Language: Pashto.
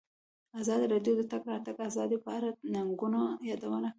ازادي راډیو د د تګ راتګ ازادي په اړه د ننګونو یادونه کړې.